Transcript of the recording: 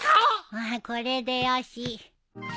ああこれでよし。